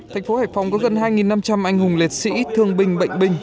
thành phố hải phòng có gần hai năm trăm linh anh hùng liệt sĩ thương binh bệnh binh